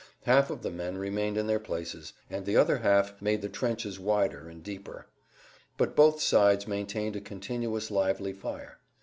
Half of the men remained in their places, and the other half made the trenches wider and deeper. But both sides maintained a continuous lively fire.